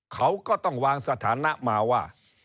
เขาก็ต้องวางสถานะมาว่า